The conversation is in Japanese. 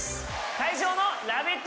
会場の「ラヴィット！」